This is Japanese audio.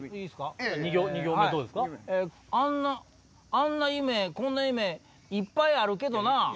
あんなゆめこんなゆめいっぱいあるけどな。